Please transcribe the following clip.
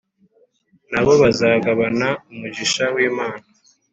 na bo bazagabana umugisha w'imana